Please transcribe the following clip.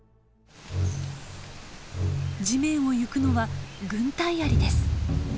地面を行くのはグンタイアリです。